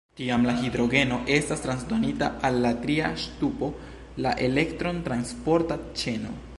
Tiam la hidrogeno estas transdonita al la tria ŝtupo, la elektron-transporta ĉeno.